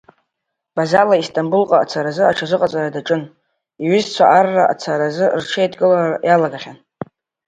Базала Истамбулҟа ацаразы аҽазыҟаҵара данаҿыз иҩызцәагьы арра ацаразы рҽеидкылара иалагахьан.